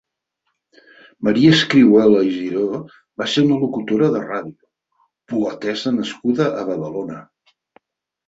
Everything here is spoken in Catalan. Maria Escrihuela i Giró va ser una locutora de ràdio, poetessa nascuda a Badalona.